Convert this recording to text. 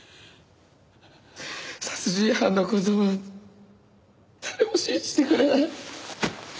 殺人犯の子供は誰も信じてくれない。